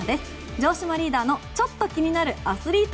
城島リーダーのちょっと気になるアスリート。